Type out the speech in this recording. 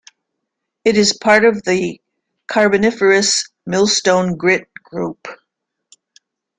It is a part of the Carboniferous Millstone Grit group.